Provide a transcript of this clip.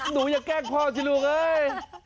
หนูอยากแกล้งพ่อสิลุงเฮ้ย